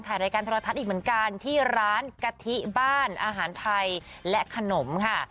รายการโทรทัศน์อีกเหมือนกันที่ร้านกะทิบ้านอาหารไทยและขนมค่ะ